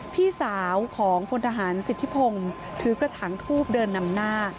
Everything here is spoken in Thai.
พี่สาวของพลทหารสิทธิพงศ์ถือกระถางทูบเดินนำหน้า